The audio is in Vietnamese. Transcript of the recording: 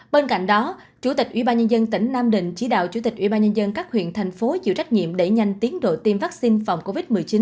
bên cạnh đó chủ tịch ủy ban nhân dân tỉnh nam định chỉ đạo chủ tịch ủy ban nhân dân các huyện thành phố chịu trách nhiệm để nhanh tiến độ tiêm vaccine phòng covid một mươi chín